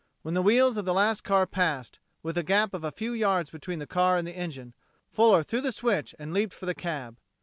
When the wheels of the last car passed, with a gap of a few yards between the car and the engine, Fuller threw the switch and leaped for the cab.